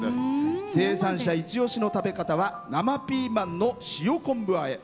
生産者イチオシの食べ方は生ピーマンの塩昆布あえ。